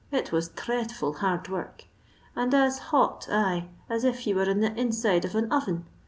It was dhieadfiil hard work, and as hot» aye, as if you were in the inside of an oren.